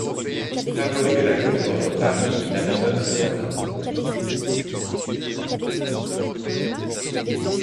Favori de la course Bordeaux-Paris, il abandonne cependant.